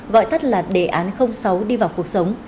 gọi tắt là đề án sáu đi vào cuộc sống